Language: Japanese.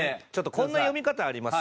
こんな読み方あります。